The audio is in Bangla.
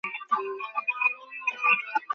ডায়াবেটিস নিয়ন্ত্রণে ভূমিকা রাখে বিভিন্ন ধরনের সবজি।